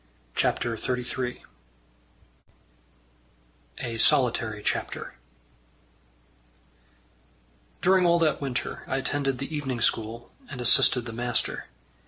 CHAPTER XXXIII A Solitary Chapter During all that winter I attended the evening school and assisted the master.